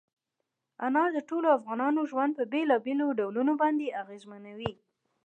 انار د ټولو افغانانو ژوند په بېلابېلو ډولونو باندې اغېزمنوي.